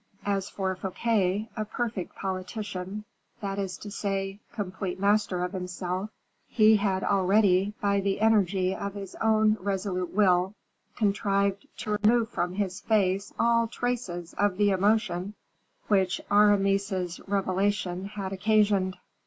As for Fouquet, a perfect politician, that is to say, complete master of himself, he had already, by the energy of his own resolute will, contrived to remove from his face all traces of the emotion which Aramis's revelation had occasioned.